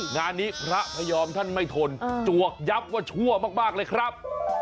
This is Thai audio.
งานนี้พระพยอมท่านไม่ทนจวกยับว่าชั่วมากเลยครับ